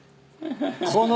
この。